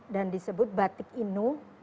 dan disebut batik inuh